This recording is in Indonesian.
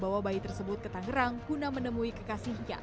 bahwa bayi tersebut ke tangerang kuna menemui kekasihnya